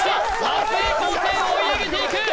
松江高専追い上げていく！